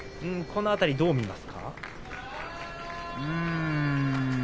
この辺り、どう見ますか。